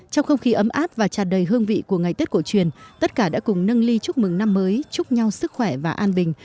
trong không khí ấm áp và tràn đầy hương vị của ngày tết cổ truyền tất cả đã cùng nâng ly chúc mừng năm mới chúc nhau sức khỏe và an bình